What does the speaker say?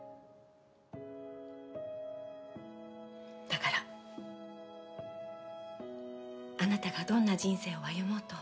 だからあなたがどんな人生を歩もうと私は見守る。